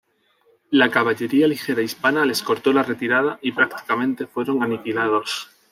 La caballería ligera hispana les cortó la retirada, y prácticamente fueron aniquilados.